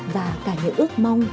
và cả ngày ước mong